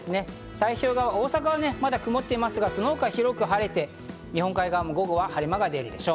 太平洋側、大阪はまだ曇っていますが、その他は広く晴れて、日本海側も午後は晴れ間が出るでしょう。